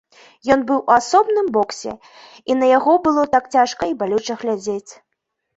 Ён быў у асобным боксе, і на яго было так цяжка і балюча глядзець.